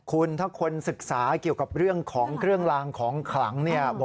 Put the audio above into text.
คุณถ้าคนศึกษาเกี่ยวกับเรื่องของเครื่องลางของขลังเนี่ย